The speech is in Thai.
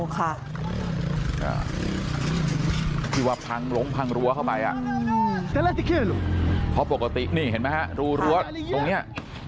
เพราะพังลงพังรั้วเข้าไปเพราะปกตินี่เห็นไหมฮะรูรั้วตรงเนี้ย